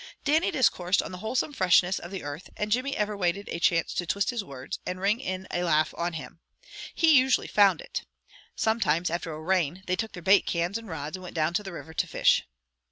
Dannie discoursed on the wholesome freshness of the earth, and Jimmy ever waited a chance to twist his words, and ring in a laugh on him. He usually found it. Sometimes, after a rain, they took their bait cans, and rods, and went down to the river to fish.